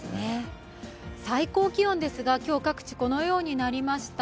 最高気温ですが今日各地このようになりました。